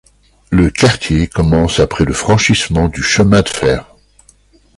Le quartier commence après le franchissement du chemin de fer.